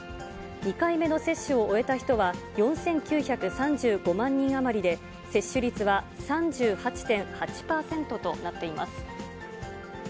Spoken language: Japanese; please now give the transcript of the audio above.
２回目の接種を終えた人は４９３５万人余りで、接種率は３８．８％となっています。